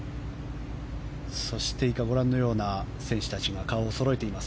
そして以下ご覧のような選手たちが顔をそろえています。